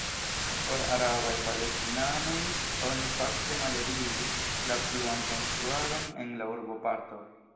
Por arabaj palestinanoj oni fakte malebligis la pluan konstruadon en la urboparto.